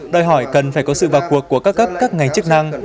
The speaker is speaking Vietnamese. đòi hỏi cần phải có sự vào cuộc của các ngành chức năng